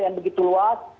yang begitu luas